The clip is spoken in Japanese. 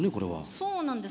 そうなんです。